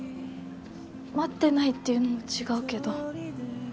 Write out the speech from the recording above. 待ってないっていうのも違うけど